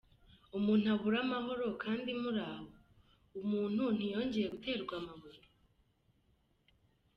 Umuntu abure amahoro kandi muri aho? Uwo muntu ntiyongeye guterwa amabuye.